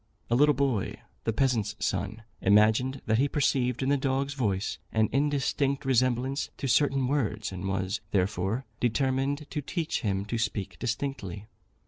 A little boy, the peasant's son, imagined that he perceived in the dog's voice an indistinct resemblance to certain words, and was, therefore, determined to teach him to speak distinctly.